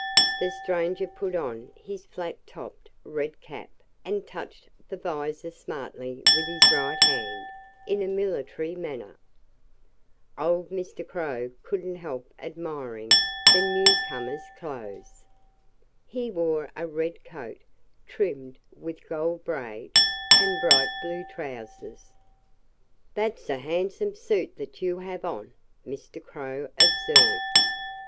The stranger put on his flat topped red cap and touched the visor smartly with his right hand, in a military manner. Old Mr. Crow couldn't help admiring the newcomer's clothes. He wore a red coat trimmed with gold braid, and bright blue trousers. "That's a handsome suit that you have on," Mr. Crow observed.